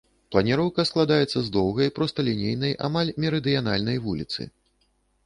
Планіроўка складаецца з доўгай, просталінейнай, амаль мерыдыянальнай вуліцы.